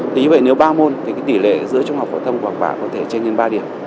thế như vậy nếu ba môn thì tỷ lệ giữa trung học phổ thông và học bạc có thể tranh lên ba điểm